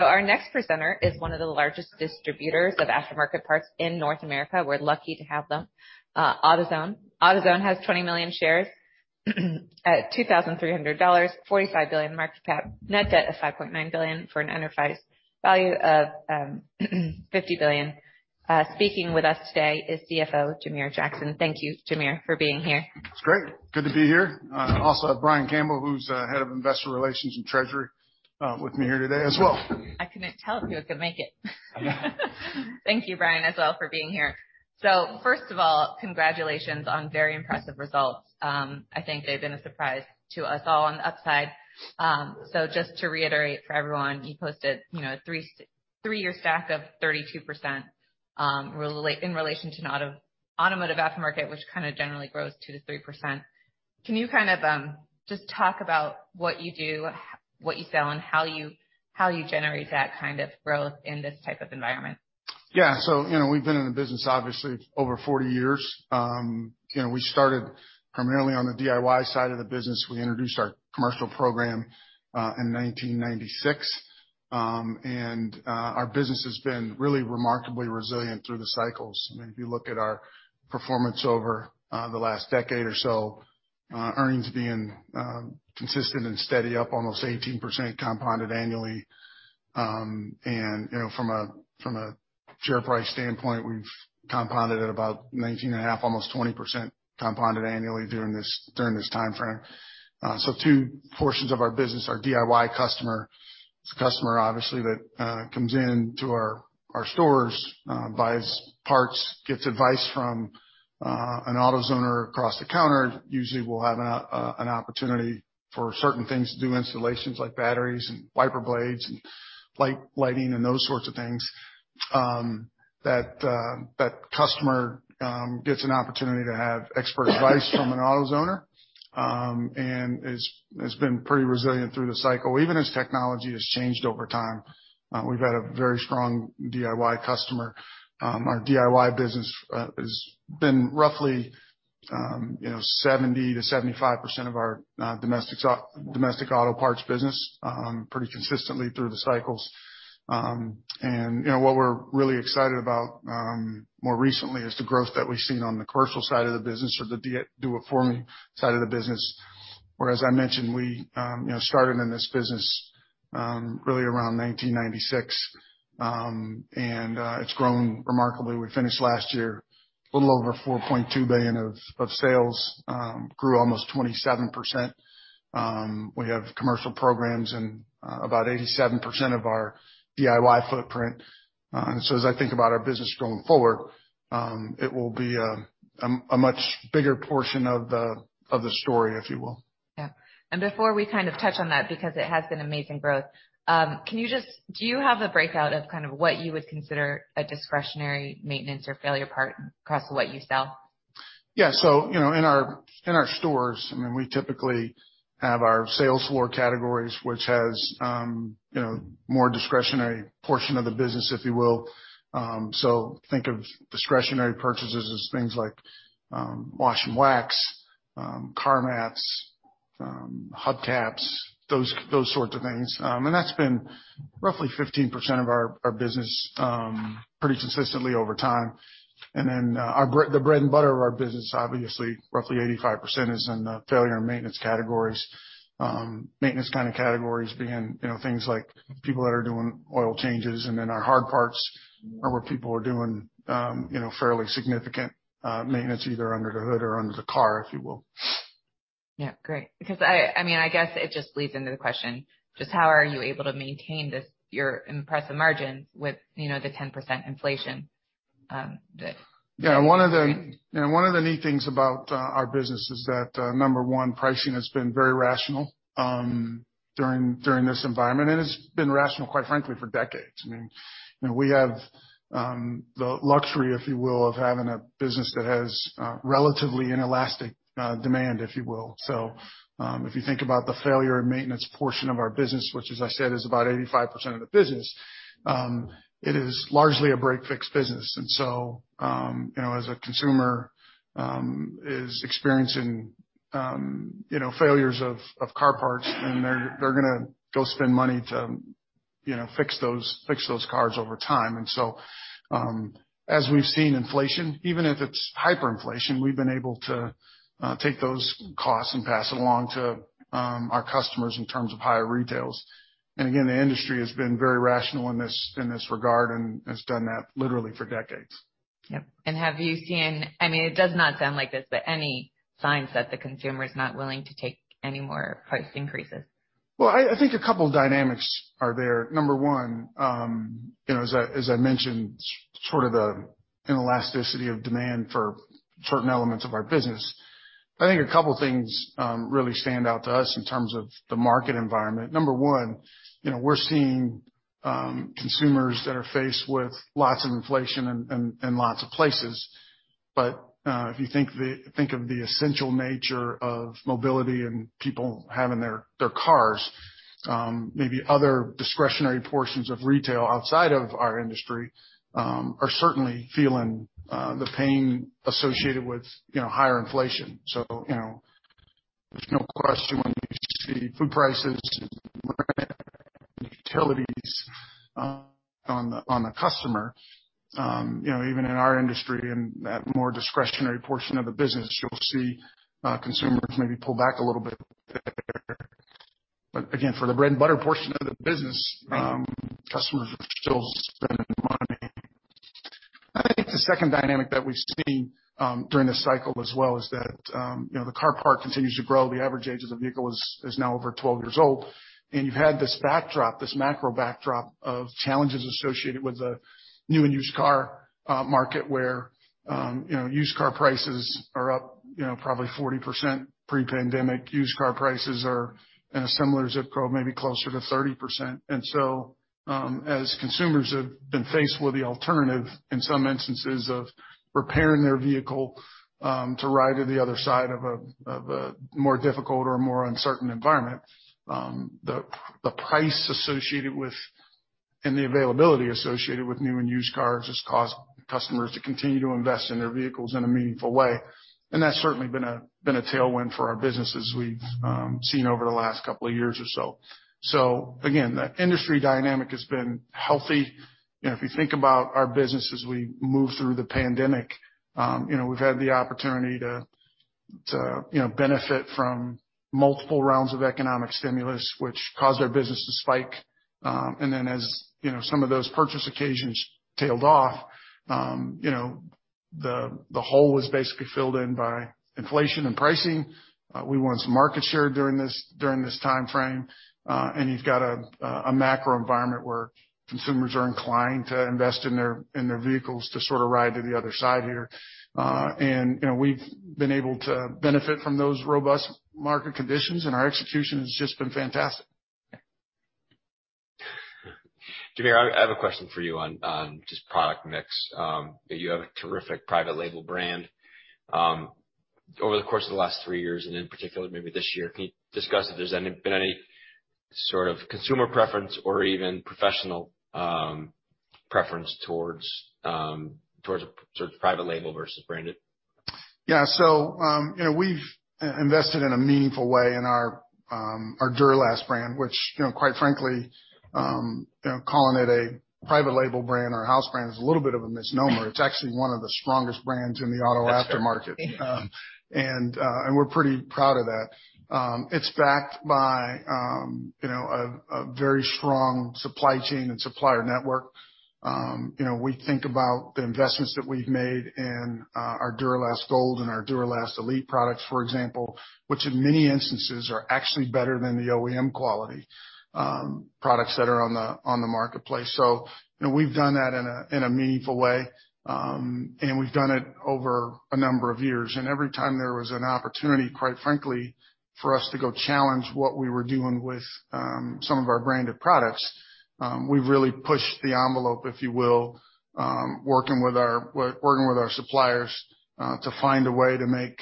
Our next presenter is one of the largest distributors of aftermarket parts in North America. We're lucky to have them. AutoZone. AutoZone has 20 million shares at $2,300, $45 billion market cap. Net debt of $5.9 billion for an enterprise value of $50 billion. Speaking with us today is CFO Jamere Jackson. Thank you, Jamere, for being here. It's great. Good to be here. Also, Brian Campbell, who's Head of Investor Relations and Treasurer, with me here today as well. I couldn't tell if you could make it. Thank you, Brian, as well for being here. First of all, congratulations on very impressive results. I think they've been a surprise to us all on the upside. Just to reiterate for everyone, you posted, you know, three-year stack of 32%, in relation to automotive aftermarket, which kinda generally grows 2%-3%. Can you kind of just talk about what you do, what you sell, and how you generate that kind of growth in this type of environment? Yeah. You know, we've been in the business, obviously, over 40 years. You know, we started primarily on the DIY side of the business. We introduced our commercial program in 1996. Our business has been really remarkably resilient through the cycles. I mean, if you look at our performance over the last decade or so, earnings being consistent and steady up almost 18% compounded annually. You know, from a share price standpoint, we've compounded at about 19.5%, almost 20% compounded annually during this timeframe. Two portions of our business, our DIY customer. It's a customer obviously that comes into our stores, buys parts, gets advice from an AutoZoner across the counter. Usually we'll have an opportunity for certain things to do installations like batteries and wiper blades and lighting and those sorts of things. That customer gets an opportunity to have expert advice from an AutoZoner. It's been pretty resilient through the cycle. Even as technology has changed over time, we've had a very strong DIY customer. Our DIY business has been roughly, you know, 70%-75% of our domestic auto parts business, pretty consistently through the cycles. You know, what we're really excited about more recently is the growth that we've seen on the commercial side of the business or the Do It For Me side of the business, where, as I mentioned, we, you know, started in this business, really around 1996. It's grown remarkably. We finished last year a little over $4.2 billion of sales. Grew almost 27%. We have commercial programs in about 87% of our DIY footprint. As I think about our business going forward, it will be a much bigger portion of the story, if you will. Yeah. Before we kind of touch on that, because it has been amazing growth, do you have a breakout of kind of what you would consider a discretionary maintenance or failure part across what you sell? Yeah. You know, in our stores, I mean, we typically have our sales floor categories, which has more discretionary portion of the business, if you will. Think of discretionary purchases as things like wash and wax, car mats, hubcaps, those sorts of things. That's been roughly 15% of our business pretty consistently over time. The bread and butter of our business, obviously roughly 85% is in the failure and maintenance categories. Maintenance kinda categories being, you know, things like people that are doing oil changes. Our hard parts are where people are doing, you know, fairly significant maintenance, either under the hood or under the car, if you will. Yeah. Great. Because I mean, I guess it just leads into the question: Just how are you able to maintain your impressive margins with, you know, the 10% inflation, that- Yeah. One of the, you know, one of the neat things about our business is that number one, pricing has been very rational during this environment, and it's been rational, quite frankly, for decades. I mean, you know, we have the luxury, if you will, of having a business that has relatively inelastic demand, if you will. If you think about the failure and maintenance portion of our business, which as I said is about 85% of the business, it is largely a break-fix business. You know, as a consumer is experiencing you know, failures of car parts, then they're gonna go spend money to you know, fix those cars over time. As we've seen inflation, even if it's hyperinflation, we've been able to take those costs and pass it along to our customers in terms of higher retails. Again, the industry has been very rational in this, in this regard and has done that literally for decades. Yep. Have you seen, I mean, it does not sound like this, but any signs that the consumer is not willing to take any more price increases? Well, I think a couple of dynamics are there. Number one, you know, as I mentioned, sort of the inelasticity of demand for certain elements of our business. I think a couple things really stand out to us in terms of the market environment. Number one, you know, we're seeing consumers that are faced with lots of inflation in lots of places. If you think of the essential nature of mobility and people having their cars, maybe other discretionary portions of retail outside of our industry are certainly feeling the pain associated with, you know, higher inflation. You know, there's no question when you see food prices, rent, utilities, on the customer, you know, even in our industry, in that more discretionary portion of the business, you'll see consumers maybe pull back a little bit there. Again, for the bread-and-butter portion of the business, customers are still spending money. I think the second dynamic that we've seen during this cycle as well is that, you know, the car parc continues to grow. The average age of the vehicle is now over 12 years old. You've had this backdrop, this macro backdrop of challenges associated with the new and used car market where, you know, used car prices are up, you know, probably 40% pre-pandemic. Used car prices are in a similar zip code, maybe closer to 30%. As consumers have been faced with the alternative in some instances of repairing their vehicle to ride out the other side of a more difficult or a more uncertain environment, the price associated with and the availability associated with new and used cars has caused customers to continue to invest in their vehicles in a meaningful way. That's certainly been a tailwind for our business as we've seen over the last couple of years or so. Again, the industry dynamic has been healthy. You know, if you think about our business as we move through the pandemic, you know, we've had the opportunity to you know, benefit from multiple rounds of economic stimulus, which caused our business to spike. As you know, some of those purchase occasions tailed off. You know, the hole was basically filled in by inflation and pricing. We won some market share during this timeframe. You've got a macro environment where consumers are inclined to invest in their vehicles to sort of ride to the other side here. You know, we've been able to benefit from those robust market conditions, and our execution has just been fantastic. Jamere, I have a question for you on just product mix. You have a terrific private label brand. Over the course of the last three years, and in particular, maybe this year, can you discuss if there's been any sort of consumer preference or even professional preference towards a sort of private label versus branded? Yeah. You know, we've invested in a meaningful way in our Duralast brand, which, you know, quite frankly, you know, calling it a private label brand or house brand is a little bit of a misnomer. It's actually one of the strongest brands in the auto aftermarket. That's fair. We're pretty proud of that. It's backed by, you know, a very strong supply chain and supplier network. You know, we think about the investments that we've made in our Duralast Gold and our Duralast Elite products, for example, which in many instances are actually better than the OEM quality products that are on the marketplace. You know, we've done that in a meaningful way, and we've done it over a number of years. Every time there was an opportunity, quite frankly, for us to go challenge what we were doing with some of our branded products, we've really pushed the envelope, if you will, working with our suppliers to find a way to make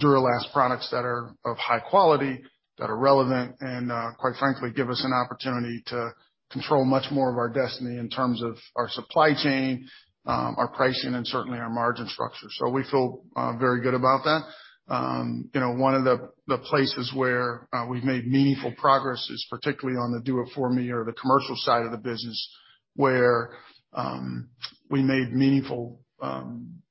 Duralast products that are of high quality, that are relevant and, quite frankly, give us an opportunity to control much more of our destiny in terms of our supply chain, our pricing, and certainly our margin structure. We feel very good about that. You know, one of the places where we've made meaningful progress is particularly on the Do It For Me or the commercial side of the business, where we made meaningful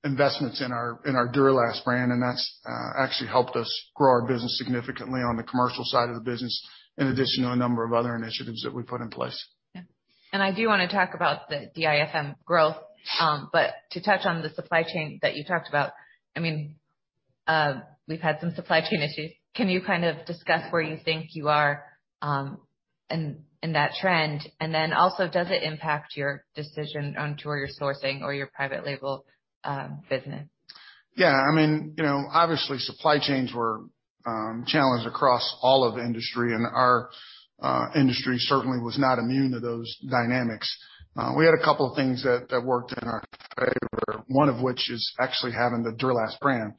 investments in our Duralast brand, and that's actually helped us grow our business significantly on the commercial side of the business, in addition to a number of other initiatives that we put in place. Yeah. I do wanna talk about the DIFM growth. To touch on the supply chain that you talked about, I mean, we've had some supply chain issues. Can you kind of discuss where you think you are in that trend? Then also, does it impact your decision on to where you're sourcing or your private label business? Yeah, I mean, you know, obviously, supply chains were challenged across all of industry, and our industry certainly was not immune to those dynamics. We had a couple of things that worked in our favor, one of which is actually having the Duralast brand,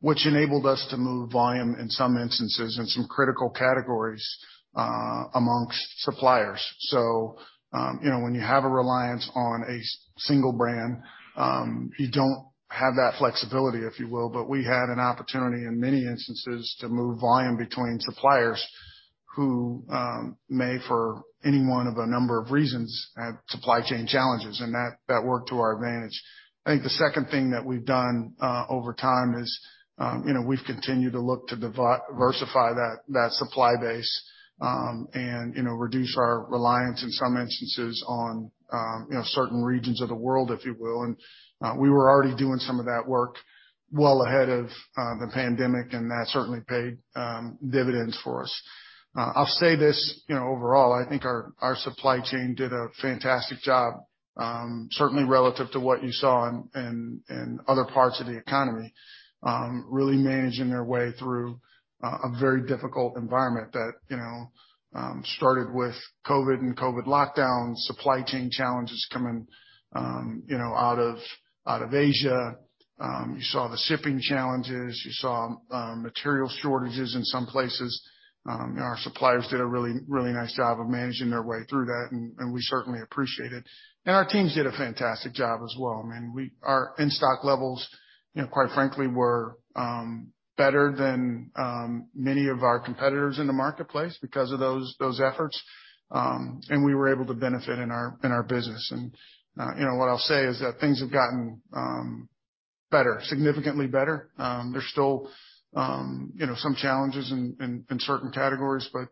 which enabled us to move volume in some instances in some critical categories amongst suppliers. You know, when you have a reliance on a single brand, you don't have that flexibility, if you will. We had an opportunity in many instances to move volume between suppliers who may, for any one of a number of reasons, have supply chain challenges, and that worked to our advantage. I think the second thing that we've done over time is, you know, we've continued to look to diversify that supply base, and, you know, reduce our reliance in some instances on, you know, certain regions of the world, if you will. We were already doing some of that work well ahead of the pandemic, and that certainly paid dividends for us. I'll say this, you know, overall, I think our supply chain did a fantastic job, certainly relative to what you saw in other parts of the economy, really managing their way through a very difficult environment that, you know, started with COVID and COVID lockdowns, supply chain challenges coming, you know, out of Asia. You saw the shipping challenges, you saw material shortages in some places. Our suppliers did a really, really nice job of managing their way through that, and we certainly appreciate it. Our teams did a fantastic job as well. I mean, our in-stock levels, you know, quite frankly, were better than many of our competitors in the marketplace because of those efforts. We were able to benefit in our business. You know, what I'll say is that things have gotten better, significantly better. There's still, you know, some challenges in certain categories, but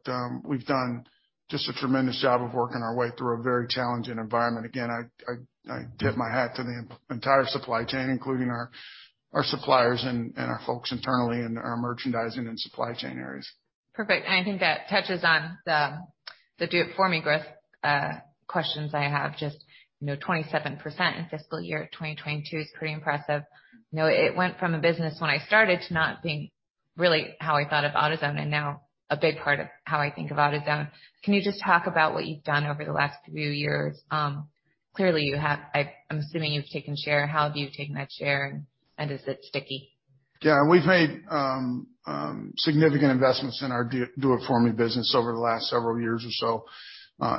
we've done just a tremendous job of working our way through a very challenging environment. Again, I tip my hat to the entire supply chain, including our suppliers and our folks internally in our merchandising and supply chain areas. Perfect. I think that touches on the Do It For Me growth questions I have. Just, you know, 27% in fiscal year 2022 is pretty impressive. You know, it went from a business when I started to not being really how I thought of AutoZone and now a big part of how I think of AutoZone. Can you just talk about what you've done over the last few years? Clearly, I'm assuming you've taken share. How have you taken that share, and is it sticky? Yeah. We've made significant investments in our Do It For Me business over the last several years or so,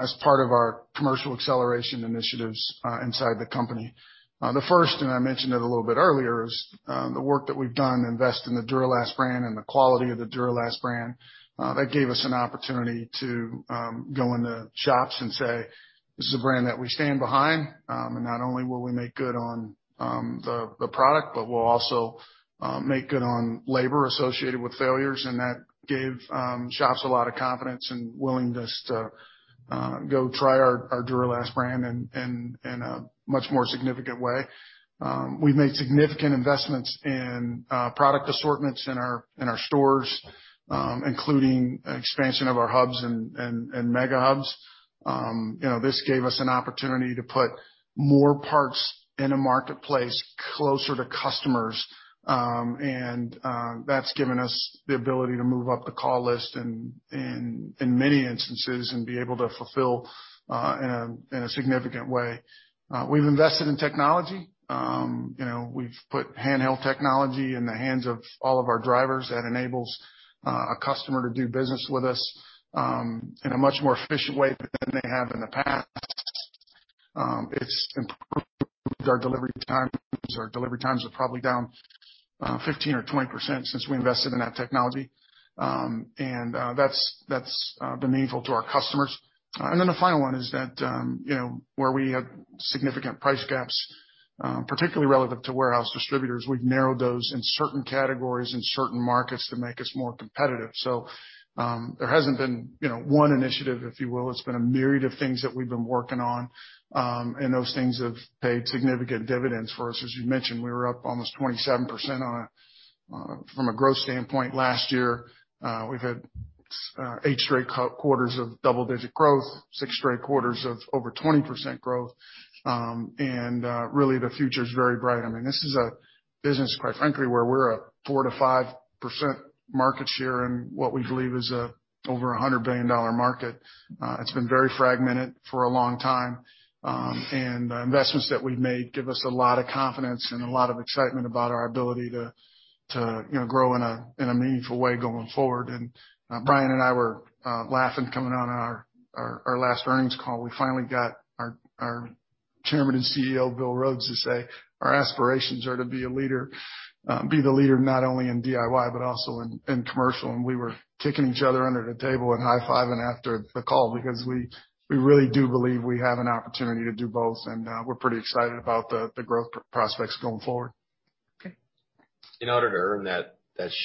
as part of our commercial acceleration initiatives, inside the company. The first, and I mentioned it a little bit earlier, is the work that we've done to invest in the Duralast brand and the quality of the Duralast brand. That gave us an opportunity to go into shops and say, "This is a brand that we stand behind, and not only will we make good on the product, but we'll also make good on labor associated with failures." That gave shops a lot of confidence and willingness to go try our Duralast brand in a much more significant way. We've made significant investments in product assortments in our stores, including expansion of our Hubs and Mega Hubs. You know, this gave us an opportunity to put more parts in a marketplace closer to customers. That's given us the ability to move up the call list and, in many instances, be able to fulfill in a significant way. We've invested in technology. You know, we've put handheld technology in the hands of all of our drivers. That enables a customer to do business with us in a much more efficient way than they have in the past. It's improved our delivery times. Our delivery times are probably down 15% or 20% since we invested in that technology. That's been meaningful to our customers. Then the final one is that, you know, where we had significant price gaps, particularly relevant to warehouse distributors, we've narrowed those in certain categories, in certain markets to make us more competitive. There hasn't been, you know, one initiative, if you will. It's been a myriad of things that we've been working on. Those things have paid significant dividends for us. As you mentioned, we were up almost 27% on a from a growth standpoint last year. We've had 8 straight quarters of double-digit growth, six straight quarters of over 20% growth. Really, the future is very bright. I mean, this is a business, quite frankly, where we're at 4%-5% market share in what we believe is over a $100 billion market. It's been very fragmented for a long time. The investments that we've made give us a lot of confidence and a lot of excitement about our ability to, you know, grow in a meaningful way going forward. Brian and I were laughing coming out of our last earnings call. We finally got our Chairman and CEO, Bill Rhodes, to say, "Our aspirations are to be a leader, be the leader not only in DIY, but also in commercial." We were kicking each other under the table and high-fiving after the call because we really do believe we have an opportunity to do both, and we're pretty excited about the growth prospects going forward. Okay. In order to earn that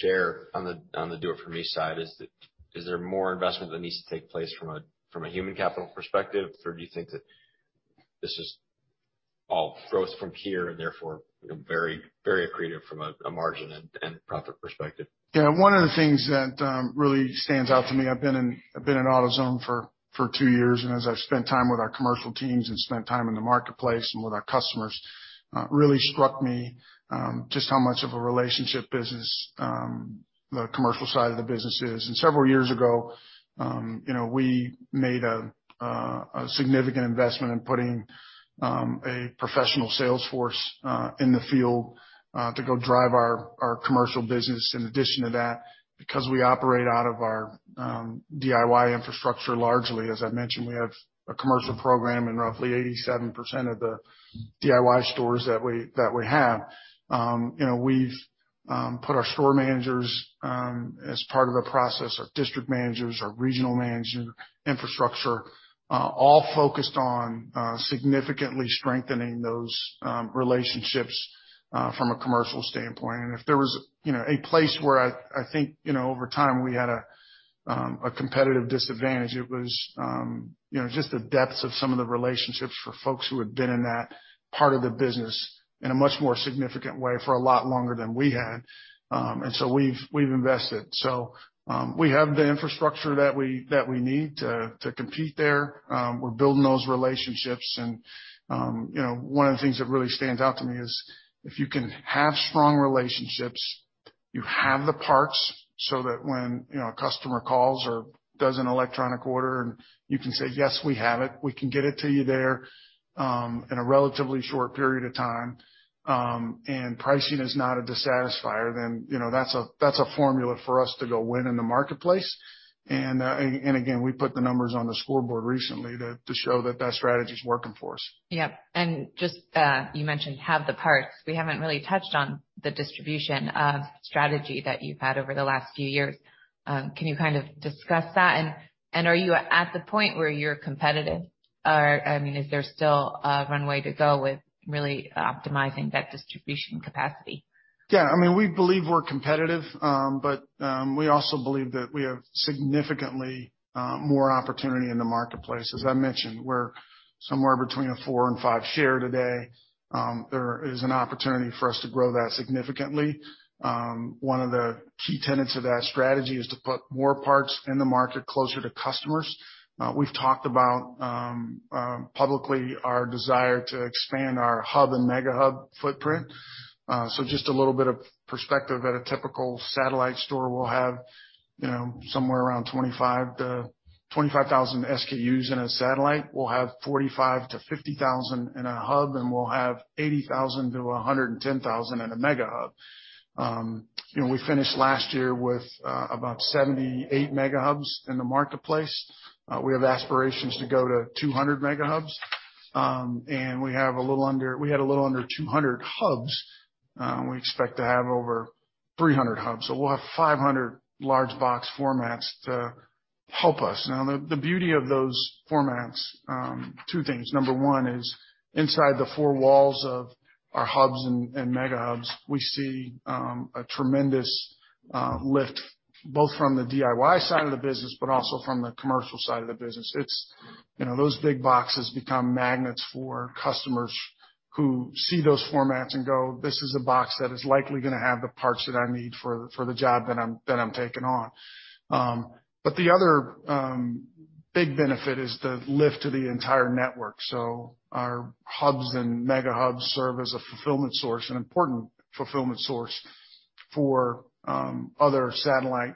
share on the Do It For Me side, is there more investment that needs to take place from a human capital perspective? Or do you think that this is all growth from here and therefore, you know, very accretive from a margin and profit perspective? Yeah. One of the things that really stands out to me, I've been in AutoZone for two years, and as I've spent time with our commercial teams and spent time in the marketplace and with our customers, really struck me just how much of a relationship business the commercial side of the business is. Several years ago, you know, we made a significant investment in putting a professional sales force in the field to go drive our commercial business. In addition to that, because we operate out of our DIY infrastructure largely, as I mentioned, we have a commercial program in roughly 87% of the DIY stores that we have. You know, we've put our store managers, as part of a process, our district managers, our regional manager infrastructure, all focused on significantly strengthening those relationships from a commercial standpoint. If there was, you know, a place where I think, you know, over time we had a competitive disadvantage, it was, you know, just the depths of some of the relationships for folks who had been in that part of the business in a much more significant way for a lot longer than we had. We've invested. We have the infrastructure that we need to compete there. We're building those relationships. One of the things that really stands out to me is if you can have strong relationships. You have the parts so that when, you know, a customer calls or does an electronic order and you can say, "Yes, we have it. We can get it to you there in a relatively short period of time," and pricing is not a dissatisfier, then, you know, that's a formula for us to go win in the marketplace. Again, we put the numbers on the scoreboard recently to show that that strategy is working for us. Yep. Just, you mentioned having the parts. We haven't really touched on the distribution strategy that you've had over the last few years. Can you kind of discuss that? And are you at the point where you're competitive or, I mean, is there still a runway to go with really optimizing that distribution capacity? Yeah. I mean, we believe we're competitive. We also believe that we have significantly more opportunity in the marketplace. As I mentioned, we're somewhere between a 4%-5% share today. There is an opportunity for us to grow that significantly. One of the key tenets of that strategy is to put more parts in the market closer to customers. We've talked about publicly our desire to expand our Hub and Mega Hub footprint. Just a little bit of perspective. At a typical satellite store, we'll have, you know, somewhere around 25 to 25,000 SKUs in a satellite. We'll have 45,000-50,000 in a Hub, and we'll have 80,000-110,000 in a Mega Hub. You know, we finished last year with about 78 Mega Hubs in the marketplace. We have aspirations to go to 200 Mega Hubs. We had a little under 200 Hubs. We expect to have over 300 Hubs. We'll have 500 large box formats to help us. Now, the beauty of those formats, two things. Number one is inside the four walls of our Hubs and Mega Hubs, we see a tremendous lift, both from the DIY side of the business, but also from the commercial side of the business. It's. You know, those big boxes become magnets for customers who see those formats and go, "This is a box that is likely gonna have the parts that I need for the job that I'm taking on." But the other big benefit is the lift to the entire network. Our Hubs and Mega Hubs serve as a fulfillment source, an important fulfillment source for other satellite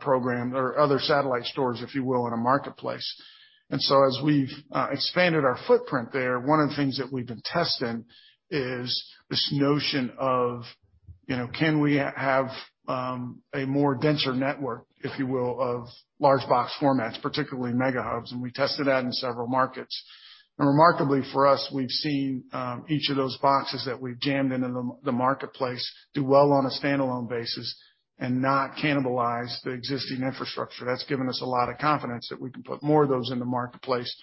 program or other satellite stores, if you will, in a marketplace. As we've expanded our footprint there, one of the things that we've been testing is this notion of, you know, can we have a more denser network, if you will, of large box formats, particularly Mega Hubs. We tested that in several markets. Remarkably, for us, we've seen each of those boxes that we've jammed into the marketplace do well on a standalone basis and not cannibalize the existing infrastructure. That's given us a lot of confidence that we can put more of those in the marketplace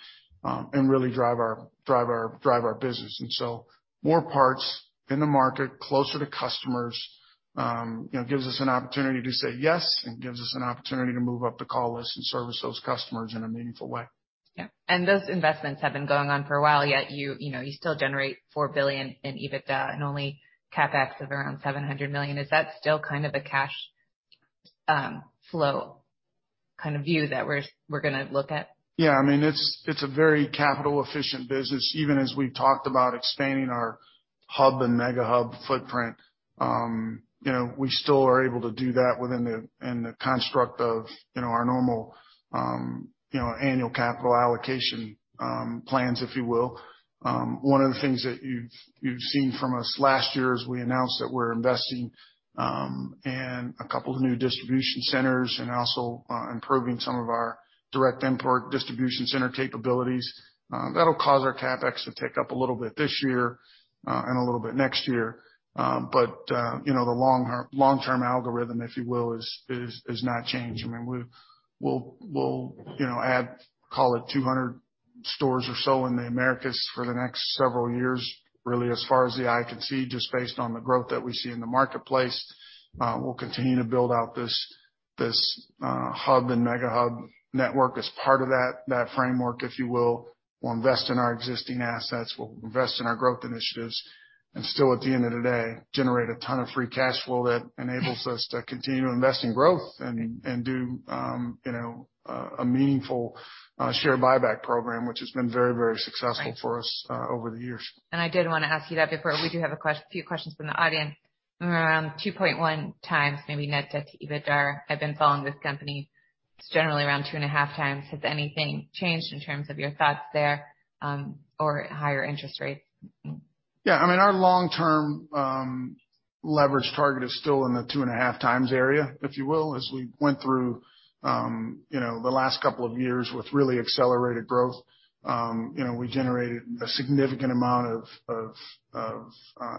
and really drive our business. More parts in the market closer to customers, you know, gives us an opportunity to say yes and gives us an opportunity to move up the call list and service those customers in a meaningful way. Yeah. Those investments have been going on for a while, yet you know, you still generate $4 billion in EBITDA and only CapEx of around $700 million. Is that still kind of a cash flow kind of view that we're gonna look at? Yeah. I mean, it's a very capital efficient business. Even as we've talked about expanding our Hub and Mega Hub footprint, you know, we still are able to do that within the construct of our normal annual capital allocation plans, if you will. One of the things that you've seen from us last year is we announced that we're investing in a couple of new distribution centers and also improving some of our direct import distribution center capabilities. That'll cause our CapEx to tick up a little bit this year and a little bit next year. You know, the long-term algorithm, if you will, is not changing. I mean, we'll, you know, add, call it 200 stores or so in the Americas for the next several years, really, as far as the eye can see, just based on the growth that we see in the marketplace. We'll continue to build out this Hub and Mega Hub network as part of that framework, if you will. We'll invest in our existing assets, we'll invest in our growth initiatives, and still, at the end of the day, generate a ton of free cash flow that enables us to continue to invest in growth and do, you know, a meaningful share buyback program, which has been very, very successful. Right ...for us, over the years. I did wanna ask you that before. We do have a few questions from the audience. Around 2.1 times maybe net debt to EBITDA. I've been following this company. It's generally around 2.5 times. Has anything changed in terms of your thoughts there, or higher interest rates? Yeah. I mean, our long-term leverage target is still in the 2.5 times area, if you will. As we went through, you know, the last couple of years with really accelerated growth, you know, we generated a significant amount of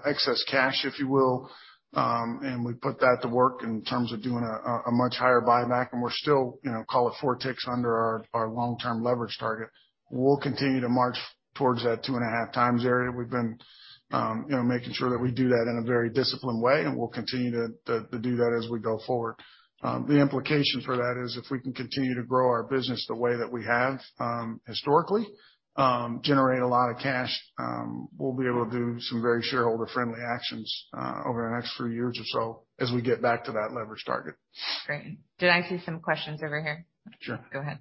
excess cash, if you will. We put that to work in terms of doing a much higher buyback. We're still, you know, call it four ticks under our long-term leverage target. We'll continue to march towards that 2.5 times area. We've been, you know, making sure that we do that in a very disciplined way, and we'll continue to do that as we go forward. The implication for that is, if we can continue to grow our business the way that we have, historically, generate a lot of cash, we'll be able to do some very shareholder friendly actions, over the next few years or so as we get back to that leverage target. Great. Did I see some questions over here? Sure. Go ahead.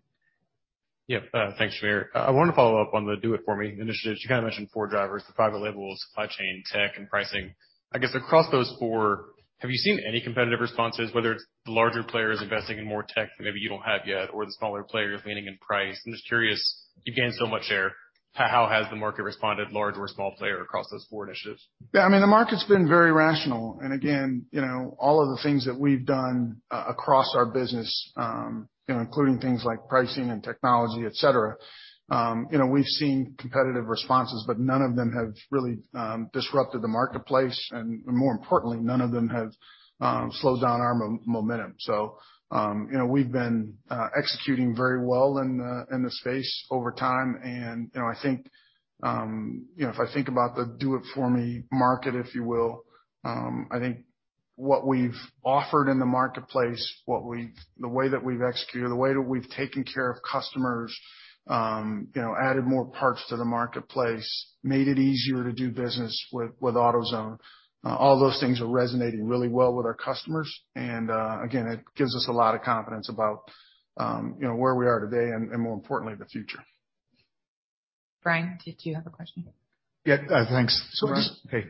Yeah. Thanks, Jamere. I want to follow up on the Do It For Me initiative. You kind of mentioned four drivers, the private labels, supply chain, tech, and pricing. I guess across those four, have you seen any competitive responses, whether it's the larger players investing in more tech that maybe you don't have yet or the smaller player leaning in price? I'm just curious, you've gained so much share, how has the market responded, large or small player across those four initiatives? Yeah, I mean, the market's been very rational. Again, you know, all of the things that we've done across our business, you know, including things like pricing and technology, et cetera, you know, we've seen competitive responses, but none of them have really disrupted the marketplace, and more importantly, none of them have slowed down our momentum. You know, we've been executing very well in the space over time, and you know, I think, you know, if I think about the Do It For Me market, if you will, I think what we've offered in the marketplace, the way that we've executed, the way that we've taken care of customers, you know, added more parts to the marketplace, made it easier to do business with AutoZone, all those things are resonating really well with our customers. Again, it gives us a lot of confidence about, you know, where we are today and more importantly, the future. Brian, did you have a question? Yeah, thanks. All right. Hey,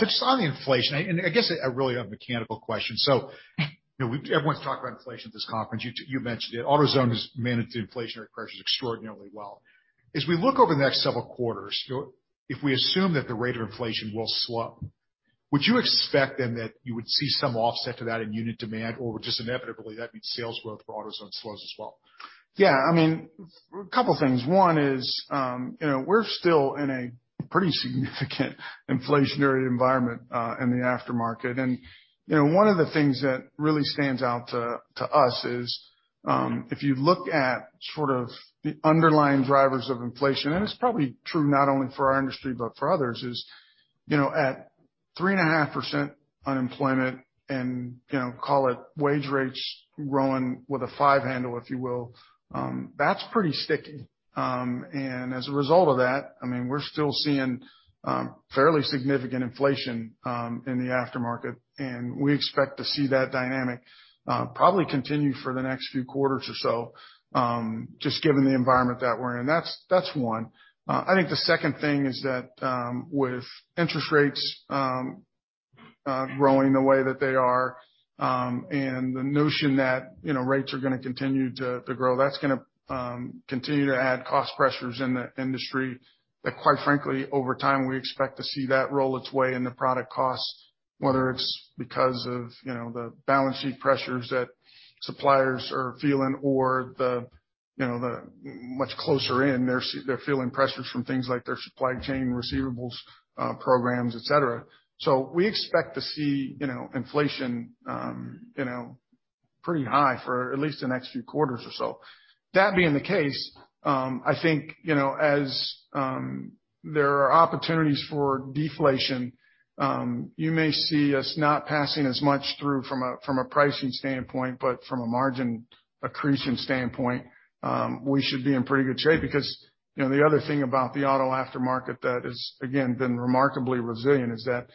just on the inflation, and I guess I really have a mechanical question. You know, everyone's talked about inflation at this conference. You mentioned it. AutoZone has managed the inflationary pressures extraordinarily well. As we look over the next several quarters, you know, if we assume that the rate of inflation will slow, would you expect then that you would see some offset to that in unit demand or just inevitably that means sales growth for AutoZone slows as well? Yeah. I mean, a couple things. One is, you know, we're still in a pretty significant inflationary environment in the aftermarket. You know, one of the things that really stands out to us is, if you look at sort of the underlying drivers of inflation, and it's probably true not only for our industry, but for others, is, you know, at 3.5% unemployment and, you know, call it wage rates growing with a five handle, if you will, that's pretty sticky. As a result of that, I mean, we're still seeing fairly significant inflation in the aftermarket, and we expect to see that dynamic probably continue for the next few quarters or so, just given the environment that we're in. That's one. I think the second thing is that with interest rates growing the way that they are and the notion that, you know, rates are gonna continue to grow, that's gonna continue to add cost pressures in the industry that quite frankly, over time, we expect to see that roll its way in the product costs, whether it's because of, you know, the balance sheet pressures that suppliers are feeling or the, you know, the much closer in, they're feeling pressures from things like their supply chain receivables programs, et cetera. We expect to see, you know, inflation, you know, pretty high for at least the next few quarters or so. That being the case, I think, you know, as there are opportunities for deflation, you may see us not passing as much through from a pricing standpoint, but from a margin accretion standpoint, we should be in pretty good shape because, you know, the other thing about the auto aftermarket that has, again, been remarkably resilient is that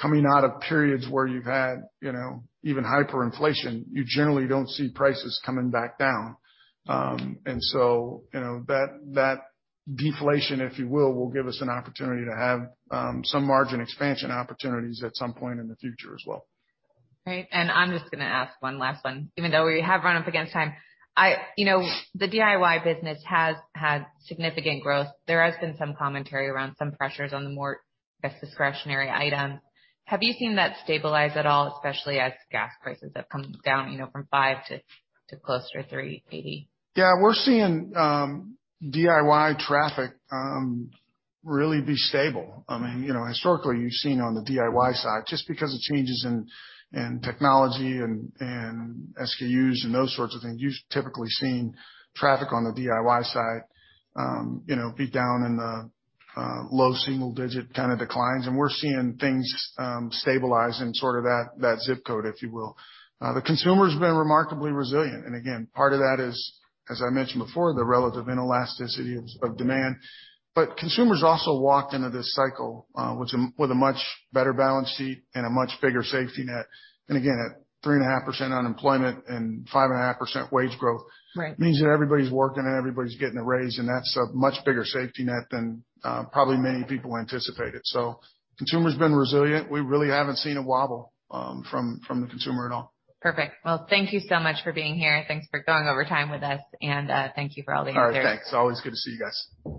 coming out of periods where you've had, you know, even hyperinflation, you generally don't see prices coming back down. You know, that deflation, if you will give us an opportunity to have some margin expansion opportunities at some point in the future as well. Great. I'm just gonna ask one last one, even though we have run up against time. You know, the DIY business has had significant growth. There has been some commentary around some pressures on the more, I guess, discretionary item. Have you seen that stabilize at all, especially as gas prices have come down, you know, from $5 to close to $3.80? Yeah. We're seeing DIY traffic really be stable. I mean, you know, historically, you've seen on the DIY side, just because of changes in technology and SKUs and those sorts of things, you've typically seen traffic on the DIY side, you know, be down in the low single digit kinda declines. We're seeing things stabilize in sort of that zip code, if you will. The consumer has been remarkably resilient. Again, part of that is, as I mentioned before, the relative inelasticity of demand. Consumers also walked into this cycle with a much better balance sheet and a much bigger safety net. Again, at 3.5% unemployment and 5.5% wage growth. Right. Means that everybody's working and everybody's getting a raise, and that's a much bigger safety net than probably many people anticipated. Consumer's been resilient. We really haven't seen a wobble from the consumer at all. Perfect. Well, thank you so much for being here. Thanks for going over time with us, and thank you for all the answers. All right, thanks. Always good to see you guys.